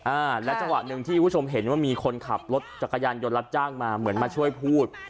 อ่าและจังหวะหนึ่งที่คุณผู้ชมเห็นว่ามีคนขับรถจักรยานยนต์รับจ้างมาเหมือนมาช่วยพูด